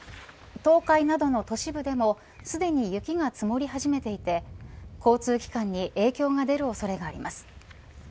東海などの都市部でもすでに雪が積もり始めていて交通機関に影響が出る恐れがあります。